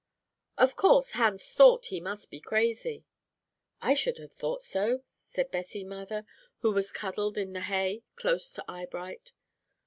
"Of course Hans thought he must be crazy." "I should have thought so," said Bessie Mather, who was cuddled in the hay close to Eyebright.